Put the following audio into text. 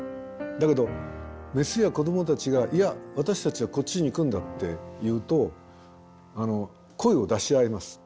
だけどメスや子どもたちが「いや私たちはこっちに行くんだ」って言うと声を出し合います。